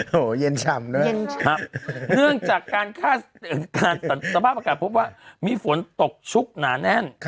โหเห้นฉ่ำด้วยเนื่องจากการสบายประกาศพบว่ามีฝนตกชุกหนานแน่น